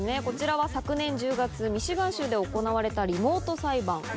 こちらは昨年１０月ミシガン州で行われたリモート裁判。